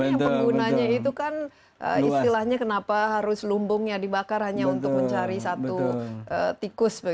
yang penggunanya itu kan istilahnya kenapa harus lumbungnya dibakar hanya untuk mencari satu tikus